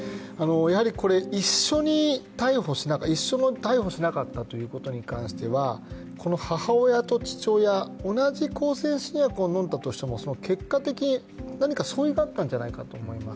やはりこれ一緒に逮捕しなかったということに関しては母親と父親、同じ向精神薬を飲んだとしても結果的に何か相違があったんじゃないかと。